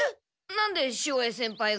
なんで潮江先輩が？